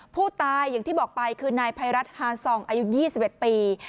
ผู้ตายอย่างที่บอกไปคือนายพายรัฐฮาซองอายุยี่สิบเอ็ดปี